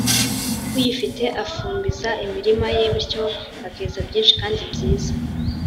uyifite afumbiza imirima ye bityo akeza byinshi kandi byiza